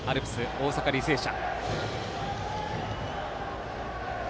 大阪、履正社。